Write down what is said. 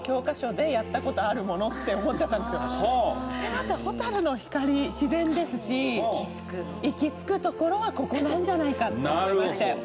ってなったら『蛍の光』自然ですし行き着くところはここなんじゃないかと思いまして『蛍の光』。